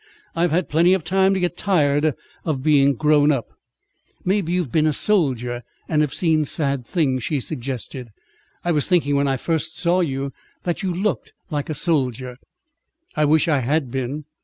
I've had plenty of time to get tired of being grown up." "Maybe you've been a soldier, and have seen sad things," she suggested. "I was thinking when I first saw you, that you looked like a soldier." "I wish I had been.